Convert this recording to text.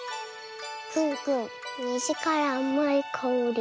くんくんにじからあまいかおり。